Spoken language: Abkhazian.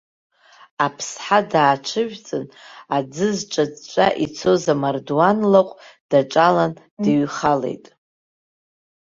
Аԥсҳа дааҽыжәҵын, аӡы зҿыҵәҵәа ицоз амардуан лаҟә даҿалан дыҩхалеит.